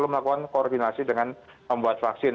melakukan koordinasi dengan pembuat vaksin